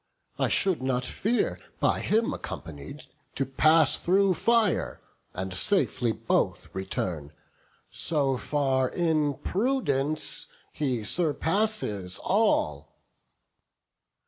I should not fear, by him accompanied, To pass through fire, and safely both return; So far in prudence he surpasses all."